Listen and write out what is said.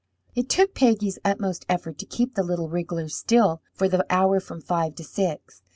It took Peggy's utmost effort to keep the little wriggler still for the hour from five to six.